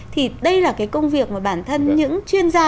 thì đây là cái công việc mà bản thân những chuyên gia